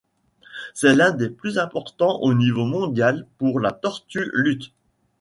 C'est l'un des plus importants au niveau mondial pour la tortue luth.